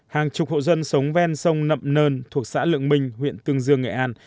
hàng chục hộ dân sống ven sông nậm nơn thuộc xã lượng minh huyện tương dương nghệ an